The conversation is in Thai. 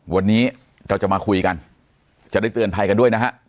วันนี้เราจะมาคุยกันจะได้เตือนภัยกันด้วยนะฮะ